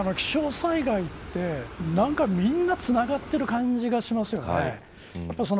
やっぱり気象災害って何かみんなつながっている感じがしますよね。